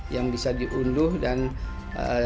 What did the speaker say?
yang bisa diunduh dan